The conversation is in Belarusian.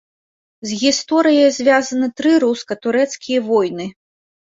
З гісторыяй звязаны тры руска-турэцкія войны.